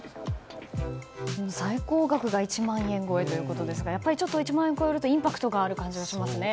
最高額が１万円超えということですがやっぱり１万円を超えるとインパクトがある感じがしますね。